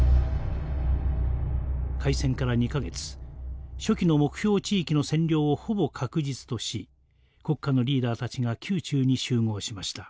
開戦から２か月初期の目標地域の占領をほぼ確実とし国家のリーダーたちが宮中に集合しました。